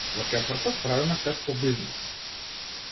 Во четврок правиме тест по бизнис.